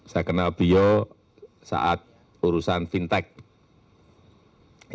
saya kenal bio saat urusan fintech